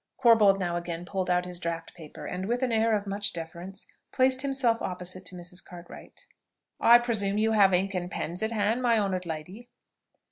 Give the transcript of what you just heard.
Corbold now again pulled out his draught paper, and with an air of much deference, placed himself opposite to Mrs. Cartwright. "I presume you have ink and pens at hand, my honoured lady?"